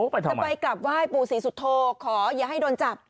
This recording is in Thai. จะไปกลับไหว้ปู่ศรีสุโธขออย่าให้โดนจับ